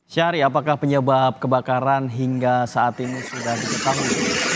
syahri apakah penyebab kebakaran hingga saat ini sudah diketahui